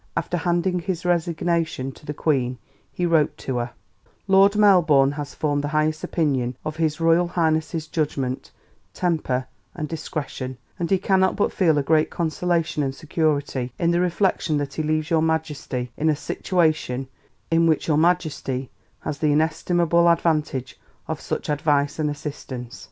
After handing his resignation to the Queen, he wrote to her: "Lord Melbourne has formed the highest opinion of His Royal Highness's judgment, temper, and discretion, and he cannot but feel a great consolation and security in the reflection that he leaves Your Majesty in a situation in which Your Majesty has the inestimable advantage of such advice and assistance."